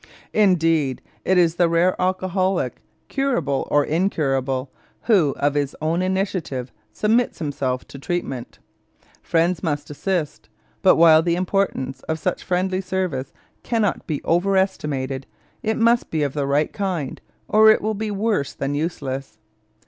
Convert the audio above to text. Indeed, it is the rare alcoholic, curable or incurable, who of his own initiative submits himself to treatment. Friends must assist; but while the importance of such friendly service cannot be overestimated, it must be of the right kind or it will be worse than useless.